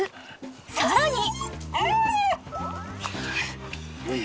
［さらに］